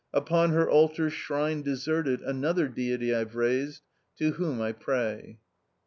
Upon her altar shrine deserted Another deity I've raised, To whom I pray.'